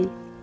tắm vòi sen